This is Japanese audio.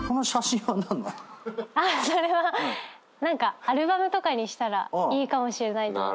それは何かアルバムとかにしたらいいかもしれないと思って。